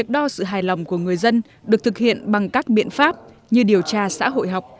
đo sự hài lòng của người dân được thực hiện bằng các biện pháp như điều tra xã hội học